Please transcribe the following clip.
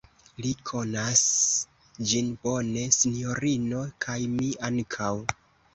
Li konas ĝin bone, sinjorino, kaj mi ankaŭ.